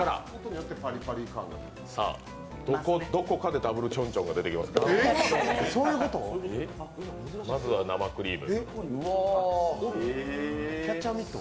どこかでダブルちょんちょんが出てきますから、まずは生クリーム。